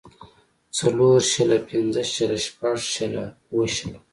څلور شله پنځۀ شله شټږ شله اووه شله